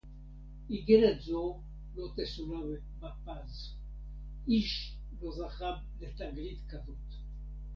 אִגֶּרֶת זוֹ לֹא תְּסֻלָּא בַּפָּז. אִישׁ לֹא זָכָה לְתַגְלִית כָּזֹאת.